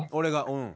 うん。